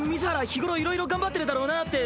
日頃いろいろ頑張ってるだろうなぁって。